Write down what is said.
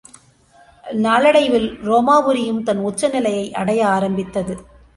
நாளடைவில் உரோமா புரியும் தன் உச்சநிலையை அடைய ஆரம்பித்தது.